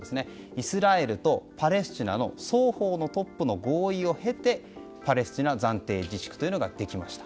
イスラエルとパレスチナの双方のトップの合意を経てパレスチナ暫定自治区というのができました。